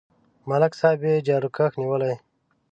ملک صاحب یې جاروکش نیولی.